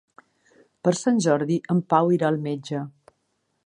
Per Sant Jordi en Pau irà al metge.